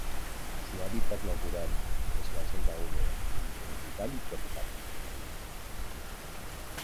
Su hábitat natural es la selva húmeda semitropical y tropical.